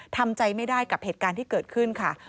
ทำใจไม่ได้กับเหตุการณ์ที่เกิดขึ้นค่ะ